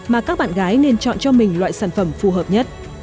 mà các bạn gái nên chọn cho mình loại sản phẩm phù hợp nhất